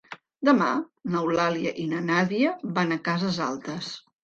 Demà n'Eulàlia i na Nàdia van a Cases Altes.